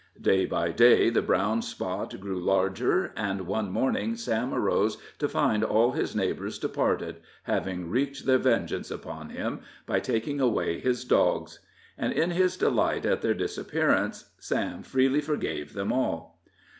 Day by day the brown spot grew larger, and one morning Sam arose to find all his neighbors departed, having wreaked their vengeance upon him by taking away his dogs. And in his delight at their disappearance, Sam freely forgave them all.